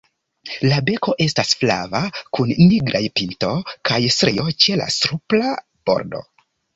La beko estas flava kun nigraj pinto kaj strio ĉe la supra bordo.